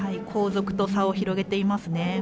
後続と差を広げていますね。